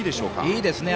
いいですね。